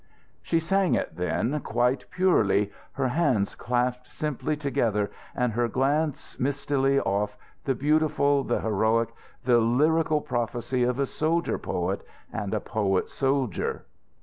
She sang it then, quite purely, her hands clasped simply together and her glance mistily off, the beautiful, the heroic, the lyrical prophecy of a soldier poet and a poet soldier.